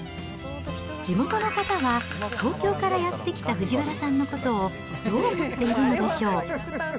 地元の方は、東京からやって来た藤原さんのことをどう思っているのでしょう。